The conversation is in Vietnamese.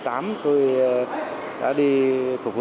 tôi đã đi phục vụ